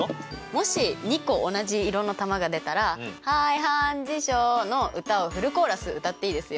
もし２個同じ色の球が出たら「はいはんじしょう」の歌をフルコーラス歌っていいですよ。